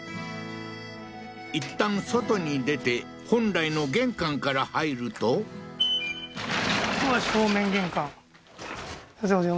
いったん外に出て本来の玄関から入るとここは正面玄関すいません